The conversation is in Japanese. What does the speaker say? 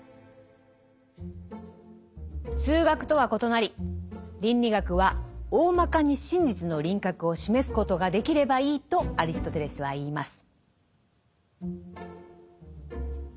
数学とは異なり倫理学は「おおまかに真実の輪郭を示すことができればいい」とアリストテレスは言います。